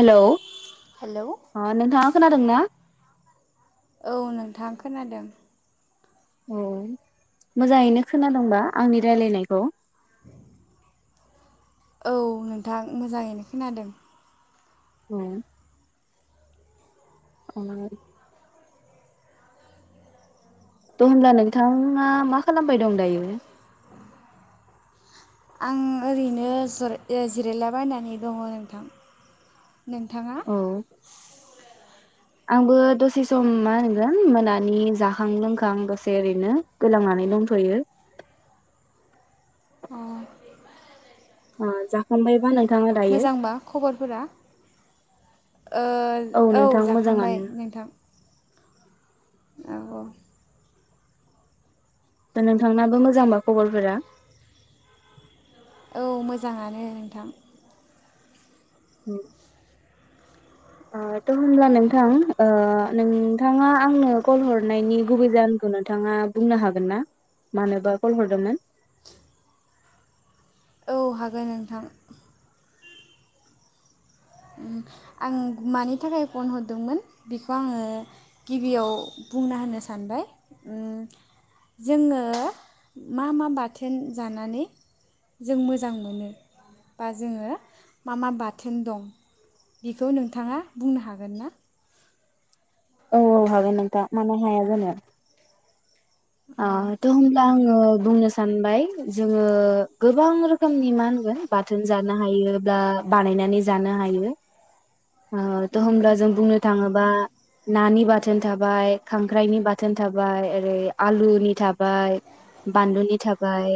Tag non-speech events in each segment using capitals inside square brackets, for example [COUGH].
Hello hello ओ नोंथाङा खोनादोंना? औ नोंथां खोनादों। औ मोजाङैनो खोनादोंंबा आंनि रायलायनायखौ? [INAUDIBLE] औ नोंथां मोजाङैनो खोनादों। औ आरो द' होनब्ला नोंथाङा मा खालामबाय दं दायो? आं ओरैनो जि जिरायलाबायायनानै दङ नोंथां। नोंथाङा? औ आंबो दसे सम मा होनगोन मोनानि जाखां लोंखां दसे ओरैनो गोलांनानै दंथ'यो। अ ओ जाखां बाइबा नों मोजांबा खबरफोरा? ओ औ नोंथां जाखांबाय मोजाङानो नोंथां औ दा नोंथांनाबो मोजांबा खबरफोरा औ मोजाङानो नोंथां ओ ओ थ' होमब्ला नोंथां नोंथाङा आंनो कल हरनायनि गुबै जाहोनखौ नोंथाङा बुंनो हागोन ना मानोबा कल हरदोंमोन। औ हागोन नोंथां। ओं आं मानि थाखाय फन हरदोंमोन बेखौ आङो गिबियाव बुंना होनो सानबाय उम जोङो मा मा बाथोन जानानै जों मोजां मोनो बा जोङो मा मा बाथोन दं। बेखौ नोंथाङा बुंनो हागोन ना? औ हागोन नोंथा मानो हाया जानो। आ औ थ' होमब्ला ओ बुंनो सानबाय जोङो गोबां रोखोमनि मा होनगोन बाथोन जानो हायो बा बानायनानै जानो हायो। ओ त' होमब्ला जों बुंनो थाङोबा। नानि बाथोन थाबाय खांख्राइनि बाथोन थाबाय ओरै। आलुनि थाबाय बानलुनि थाबाय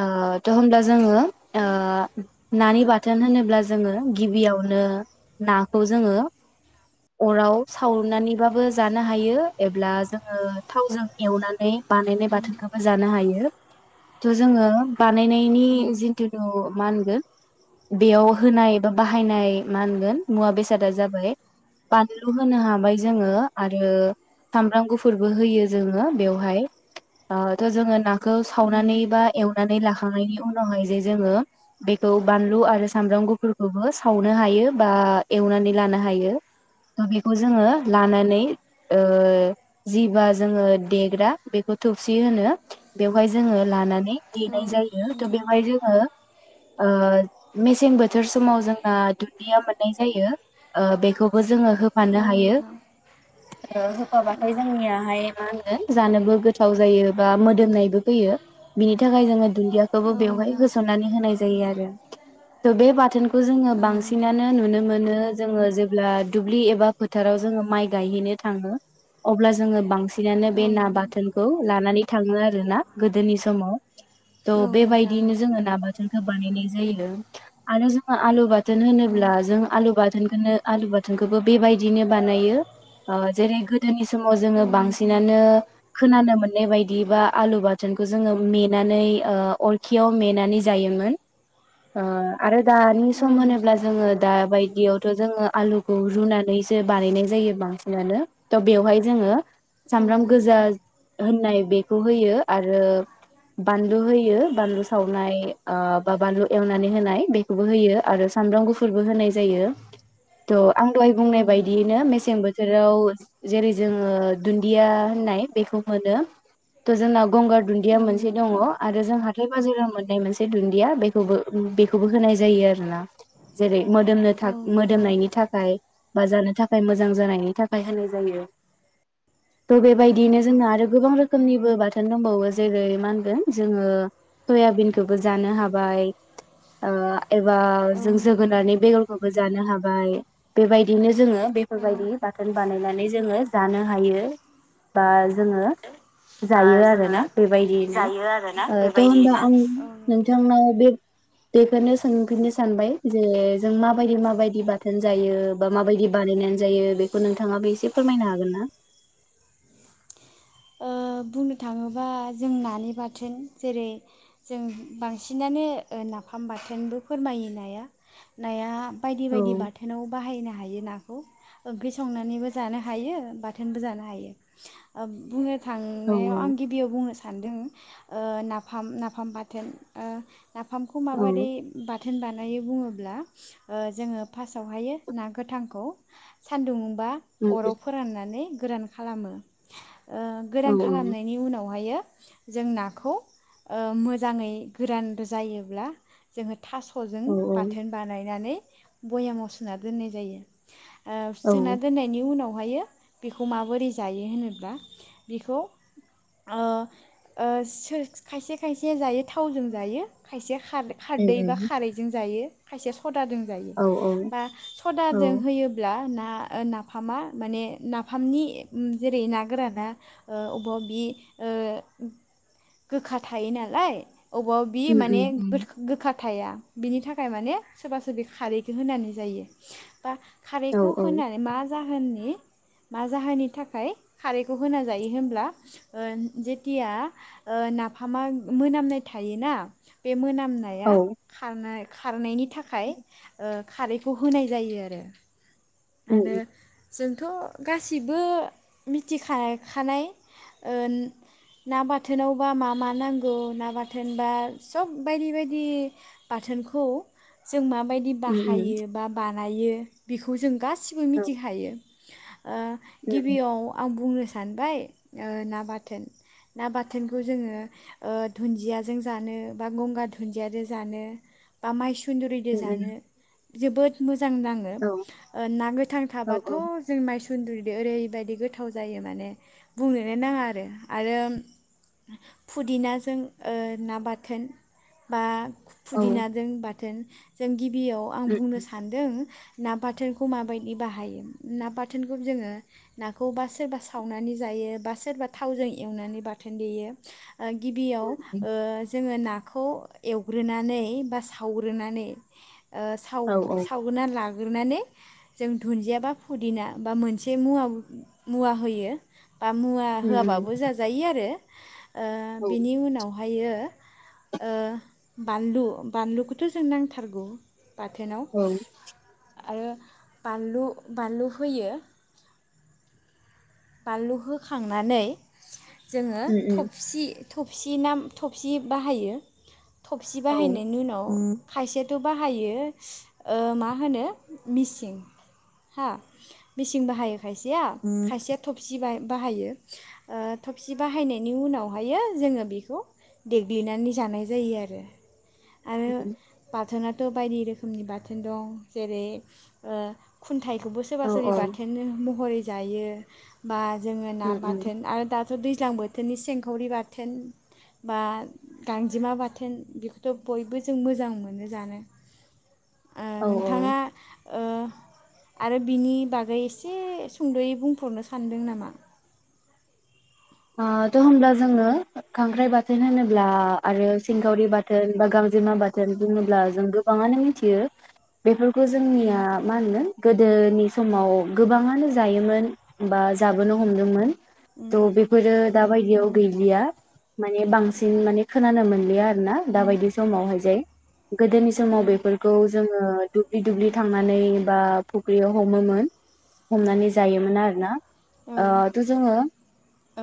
अ थ होमब्ला जोङो ओ नानि बाथोन बाथोन होनोब्ला जोङो गिबियावनो नाखौ जोङो अराव सावनानैबाबो जानो हायो एबा जोङो थावजों एवनानै बानायनाय बाथोनखौबो जानो हायो। थ जोङो बा बानायनायनि जिथुुनु मा होनगोन बेयाव होनाया बाहायनाय मा मोनगोन मुवा बेसादा जाबाय बानलु होनो हाबाय जोङो आरो सामब्राम गुफुरबो होयो। जोङो बेहाय जोङो नाखौ सावनानै बा एवनानै लाखांनायनि उनावहाय जे जोङो बेखौ बानलु आरो सामब्राम गुफुरखौबो सावनो हायो बा एवनानै लानो हायो बेखौ जोङो लानानै ओ जि बा जोङो देग्रा बेखौ थौसि होनो बेवहाय जोङो लानानै औ देनाय जायो त नोंथां बेवहाय जोङो ओ मेसें बोथोर समाव जोंना दुन्दिया मोननाय जायो ओ बेखौबो जोङो। होफानो औ हायो। नोंथां [UNINTELLIGIBLE] होखाबाथाय जोंनियाहाय मा होनो जानोबो गोथाव जायो बा मोदोमनायबो फैयो बिनि थाखाय जोङो दुन्दियाखौबो औ बेवहाय नोंथां होसननानै होनाय जायो आरो त' बे बाथोनखौ जोङो औ नोंथां बांसिनानो नुनो मोनो जोङो जेब्ला दुब्लि एबा फोथाराव जोङो माइ गायहैनो थाङो अब्ला जोङो बांसिन नानो औ बे ना नोंथां बाथोनखौ लानानै थाङो आरो ना गोदोनि समाव औ नोंथां त' औ औ नोंथां बेबायदिनो जोङो ना बाथोनखौ बानायनाय जायो। आरो जोङो आलु बाथोन होनोब्ला जों आलु बाथोनखौनो आलु बाथोनखौबो बेबायदिनो बानायो ओ जेरै गोदोनि समाव औ जोङो बांसिन नोंथां सिनानो खोनानो मोननाय बायदि बा आलु बाथोनखौ जोङो मेनानै ओ अरखियाव मेनानै जायोमोन ओ आरो। दानि औ नोंथां औ नोंथां औ नोंथां औ सम नोंथां होनोब्ला जोङो दा बाय बेयावथ' जोङो आलुखौ रुनानैसो बानायनाय जायो बांसिनानो त' बेवहाय जोङो सामब्राम गोजा औ होननाय बेखौ होयो आरो बानलु होयो बानलु सावनाय बा बानलु एवनानै होनाय बेखौबो होयो आरो सामब्राम गुफुरबो होनाय जायो थ आं दहाय बुंनाय नोंथां औ बायदियैनो मेसें बो बोथोराव जेरै जोङो दुन्दिया होननाय बेखौ मोनो त जोंना गंगार दुन्दिया मोनसे दङ आरो जों हा हांथाइ बाजाराव मोननाय मोनसे दुन्दिया बेखौबो बेखौबो होनाय जायो आरो ना जेरै मोदोमनो थाखाय मोदोमनायनि थाखाय बा जानो थाखाय मोजां जानायनि थाखाय होनाय जायो। थ बेबादिनो बिदिनो जोंङो आरो गोबां रोखोम रोखोमनिबो बाथोन दंबावो जेरै मा होनगोन जोङो सयाबिनखौबो जानो हाबाय। एबा जों नोंथां जोगोनारनि बेगरखौबो जानो हाबाय बेबायदिनो जोङो औ बेफोरबायदि बाथोन बानायनानै नानै जोङो जानो हायो। बा जोङो बा जायो जोङो आरोना बेबायदियैनो जायो आरोना ओ थ' होनबा बेबायदियैनो आं औ नोंथां नोंथांनाव बे बेखौनो सोंफिननो सानबाय जे जों माबायदि माबायदि बाथोन जायो बा माबायदि बानायनानै जायो बेखौ नोंथाङाबो एसे फोरमायनो हागोन ना? ओ बुंनो थाङोबा जों नानि बाथोन जेरै जों बांसिनानो ओ नाफाम बाथोनबो फोरमायो नाया नाया। बायदि औ बायदि बाथोनाव बाहायनो हायोना। ओंख्रि संनानैबो जानो हायो बाथोनबो जानो हायो ओ बुंनो औ थांनायाव आं गिबियाव बुंनो सानदों ओ नाफाम नाफाम बाथोन ओ नाफामखौ औ माबोरै बा होननानै बुङोब्ला ओ जोङो फार्स्टआवहाय ना गोथांखौ सानदुं बा अराव फोराननानै गोरान खालामो ओ औ गोरान खालामनायनि उनावहायो जों नाखौ ओ मोजाङै गोरान जायोब्ला जों थास'जों औ बाथोन बानायनानै बयामाव सुना दोननाय जायो ओ औ सोना दोननायनि उनाव बेहाय बेखौ माबोरै जायो होनोब्ला बिखौ ओ ओ सोथ खायसे खायसे जायो थावजों जायो खायसे खार उम खारदै बा उम खारैजों जायो खायसे सदाजों जायो औ बा औ सदाजों होयोब्ला ना ओ नाफामा माने नाफामनि जेरै ना गोराना ओ अबाव बि ओ गोखा थायो नालाय अबाव बि उम माने उम उम गो गोखा थाया बिनि थाखाय माने सोरबा सोरबि खारैखौ होनानै जायो बा औ खारैखौ औ होनानै मा जाहोननि मा जाहोननि थाखाय खारैखौ होना जायो होनब्ला ओ जेतिया ओ नाफामा मोनामनाय थायोना बे मोनाम नाया औ खारनाय खारनायनि थाखाय ओ खारैखौ होनाय जायो आरो उम आरो उम जोंथ' गासिबो मिथिखा खानाय ओ ना बाथोनावबा मा मा नांगौ ना बाथोनबा सब बायदि बायदि बाथोनखौ जों मा बायदि उम उम बाहायो बा बा हायो बेखौ जों गासिबो औ मिथिखायो [INAUDIBLE] ओ उम गिबियाव आ बुंनो स सानबाय ओ ना बाथोन ना बाथोनखौ जोङो ओ दुन्दियाजों जानो बा गंगार दुन्दियाजों जानो बा माइस सुन्दुरि दो उम उम जानो जोबोद मोज जां नाङो औ ओ ना गोथां औ थाबथ' औ जों मायस सुन्दुरिदो ओरैबायदि गोथाव जायो माने बुंनोनो नाङा आरो आरो फुदिनाजों ओ ना बाथोन बा उम फुदिनाजों बा थोन जों गि बियाव आं उम बुंनो सान्दों ना बाथोनखौ माबायदि बाहायो ना बाथोनखौ जोङो नाखौबा सोरबा सावनानै जायो बा सोरबा थावजों एवनानै बाथोन देयो। ओ गिबियाव ओ जोङो ना खौ एवग्रोनानै बा सावग्रोनानै ओ साव औ उम सावगोरना ला गोरनानै जों दुन्दिया बा फुदिना बा मोनसे मुवा मुवा होयो। बा मुवा उम औ उम औ उम होआबाबो जाजायो आरो ओ बिनि उनावहायो ओ बानलु बानलुखौथ' जों नांथारगौ। बाथोनाव आरो बानलु बानलु होयो। बानलु होखांनानै जोङो थफसि थबसि ना थबसि बाहायो थफसि बाहायनायनि उनाव खायसेयाथ' बाहायो ओ मा होनो मिसिं हा मिसिं बाहायो खायसेया खायसेया थफसि बा बाहायो ओ थबसि बाहायनायनि उनावहायो जोङो बिखौ देग्लिनानै जानाय जायो आरो आरो बाथोना थ बायदि रोखोमनि बोन दं जेरै ओ खुन्थाय खौबो सोरबा औ सोरि औ बाथोनो महरै जायो। बा जोङो ना उम उम बाथोन आरो दा थ' दैज्लां बोथोरनि सेंखावरि बाथोन बा गांजेमा बाथोन बेखौथ' बयबो जों मोजां मोनो जानो। ओ औ नोंथाङा ओ आरो बिनि बागै एसे सुंद'यै बुंफोरनो सान सानदों नामा? ओ त' होमब्ला जोङो खांख्राइ बाथोन होनोब्ला आरो सिंगावरि बाथोन बा गांजेमा बाथोन बुङोब्ला जों गोबाङानो मिथियो। बेफोरखौ उम जोंनिया मा होनगोन गोदोनि समाव गोबाङानो जायोमोन बा जाबोनो हमदोंमोन उम थ' बेफोरो दाबायदियाव उम गैलिया माने बांसिन माने खोनानो मोनलिया आरो ना दा उम बायदि समावहाय जे गोदोनि समाव बेफोरखौ जों ओ दुब्लि दुब्लि थांनानै बा फुख्रियाव हमोमोन हमनानै जायोमोन आरो ना औ ओ थ' जोङो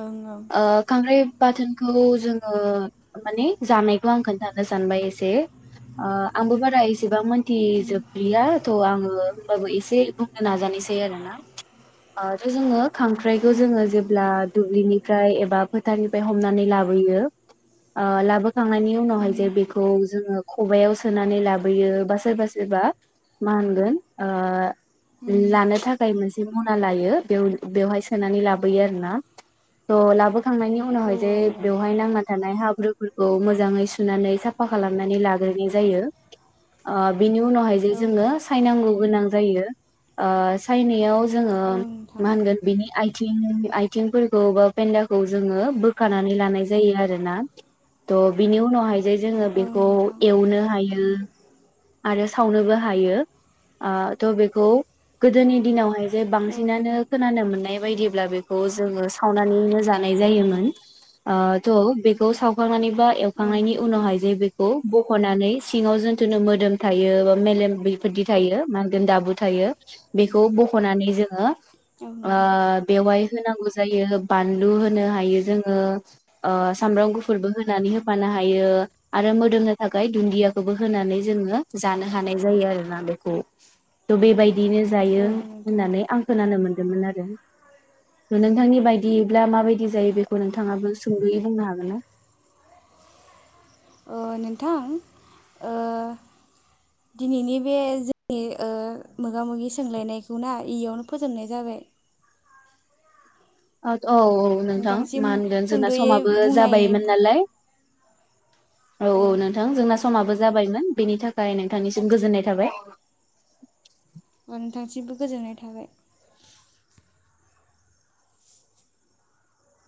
ओं ओं खांख्राय बाथोनखौ जोङो माने जानायखौ आं खोन्थानो सानबाय एसे ओ‌ आंबो बारा एसेबां मोन खोथि उम जोबलिया थ' आङो होमबाबो एसे बुंनो नाजानायसै आरोना थ' जोङो खांख्राइखौ जोङो जेब्ला दुब्लिनि फ्राय एबा फोथारनिफ्राय हमनानै लाबोयो ओ लाबो खांनायनि उनावहाय जे बेखौ जोङो खबायाव सोनानै लाबोयो बा सोरबा सोरबा मा होनगोन ओ उम लानो थाखाय मोनसे जि मना लायो बेव बेवहाय सोनानै लाबोयो आरो ना त लाबो खांनायनि औ उनावहाय जे औ औ बेवहाय नांना थानाय हाब्रुफोरखौ मोजाङै सुनानै साफा खालामनानै लाग्रोनाय जायो ओ। बिनि उनावहाय जे औ जोङो सायनांगौ। गोनां जायो ओ सायनायाव जोङो नोंथां मा होनगोन बिनि आइ थिं आइथिंफोर खौ बा पेन्दाखौ जोङो बोखानानै लानाय जायो आरोना थ बिनि उनावहाय जे जोङो औ बेखौ नोंथां एवनो हायो। आरो सावनोबो हायो थ' बेखौ गोदोनि दिनावहाय जे औ बांसिनानो नोंथां खोनानो मोननाय बायदिब्ला बे जोङो सावनानैनो जानाय जायोमोन थ बेखौ सावखांनानै बा औ एवखांनायनि नोंथां उनावहाय जे बेखौ बख'नानै सिङाव जोन्थ'नो मोन मोदोम थायो बा मेलेम बेफोरदि थायो मा होनदों दाबु थायो बेखौ बख'नानै जोङो औ आ नोंथां बेवाय होनांगौ जायो बानलु होनो हायो जोङो सामब्राम गुफुरबो होनानै होफानो हायो आरो मोदोमनो थाखाय दुन्दियाखौबो होनानै जो जानो हानाय जायो आरोना बेखौ बेबायदि बिदिनो जायो औ नोंथां होननानै आं खोनानो मोनदों आरो नोंथांनि बायदि बायदियोब्ला माबायदि जायो बेखौ नोंथाङाबो सुंदयै बुंनो हागोन्। [UNINTELLIGIBLE] ओ नोंथां ओ दिनैनि बे जोंनि ओ मोगा मोगि सोंलायनायखौ ना इयावनो फोजोबनाय जाबाय। [UNINTELLIGIBLE] औ औ नोंथां नोंथांसिम मा होनगोन जोंना सुंद'यै समाबो बुंनाय जाबायमोन नालाय औ औ नोंथां जोंना समाबो जाबायमोन बेनि थाखाय नोंथांनिसिम गोजोननाय थाबाय नोंथांसिमबो गोजोननाय थाबाय।